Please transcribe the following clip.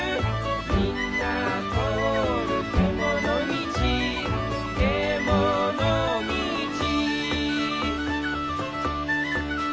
「みんなとおるけものみち」「けものみち」